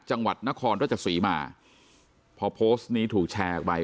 จังหวัดนครราชสีมาพอโพสต์นี้ถูกแชร์ออกไป